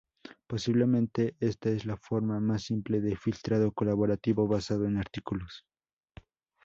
Posiblemente, esta es la forma más simple de filtrado colaborativo basado en artículos.